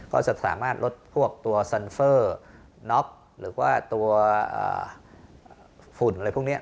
ก็จะสามารถลดพวกตัวซันเฟอร์น็อกหรือว่าตัวฝุ่นอะไรพวกนี้